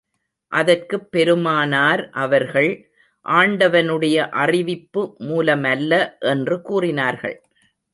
அதற்குப் பெருமானார் அவர்கள், ஆண்டவனுடைய அறிவிப்பு மூலமல்ல, என்று கூறினார்கள்.